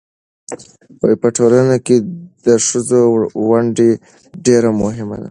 په ټولنه کې د ښځو ونډه ډېره مهمه ده.